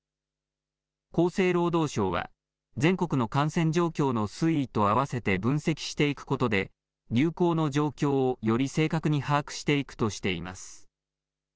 厚生労働省は、全国の感染状況の推移と合わせて分析していくことで、流行の状況をより正確に把握していくとしています。